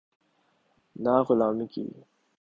نہ غلامی کی۔